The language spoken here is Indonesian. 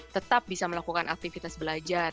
tetap bisa melakukan aktivitas belajar